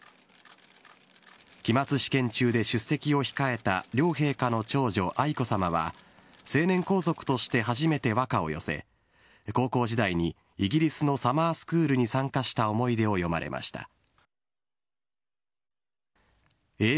期末試験中で出席を控えられた両陛下の長女、愛子さまは、成年皇族として初めて和歌を寄せ、高校時代にイギリスのサマースクールに参加した思い出を詠まれました。